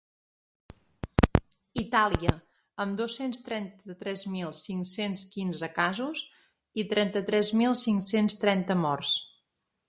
Itàlia, amb dos-cents trenta-tres mil cinc-cents quinze casos i trenta-tres mil cinc-cents trenta morts.